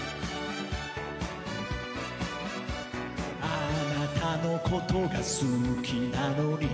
「あなたのことが好きなのに」